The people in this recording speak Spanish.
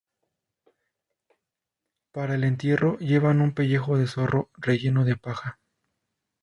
Para el entierro llevan un pellejo de zorro relleno de paja.